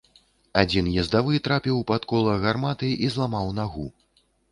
Адзін ездавы трапіў пад кола гарматы і зламаў нагу.